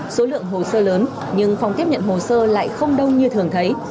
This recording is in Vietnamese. số lượng hồ sơ lớn nhưng phòng tiếp nhận hồ sơ lại không đông như thường thấy